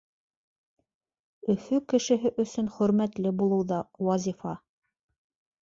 Өфө кешеһе өсөн хөрмәтле булыу ҙа вазифа.